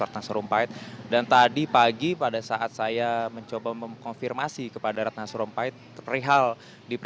ratna sarongpahit dan tadi pagi pada saat saya mencoba memkonfirmasi kepada ratna sarongpahit